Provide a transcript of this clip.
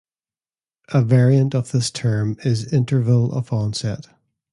A variant of this term is interval of onset.